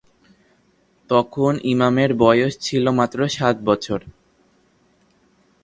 তখন ইমামের বয়স ছিল মাত্র সাত বছর।